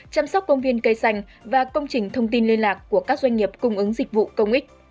chăm sóc công viên cây xanh và công trình thông tin liên lạc của các doanh nghiệp cung ứng dịch vụ công ích